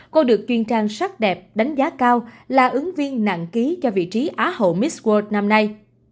cô được chuyên trang sắc đẹp đánh giá cao là ứng viên nặng ký cho vị trí á hậu miss world năm nay